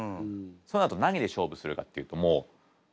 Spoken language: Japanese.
そうなると何で勝負するかっていうともう頭。